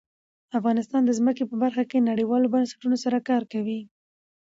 افغانستان د ځمکه په برخه کې نړیوالو بنسټونو سره کار کوي.